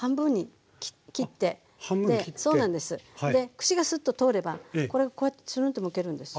串がスッと通ればこれこうやってつるんとむけるんです。